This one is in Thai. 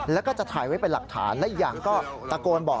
แล้วก็จะถ่ายไว้เป็นหลักฐานและอีกอย่างก็ตะโกนบอก